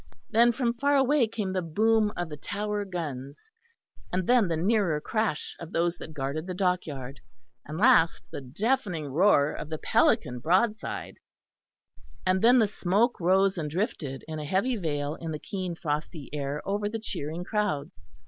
Then from far away came the boom of the Tower guns, and then the nearer crash of those that guarded the dockyard; and last the deafening roar of the Pelican broadside; and then the smoke rose and drifted in a heavy veil in the keen frosty air over the cheering crowds.